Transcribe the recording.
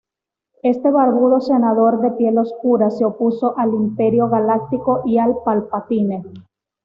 Este barbudo senador de piel oscura se opuso al Imperio Galáctico y a Palpatine.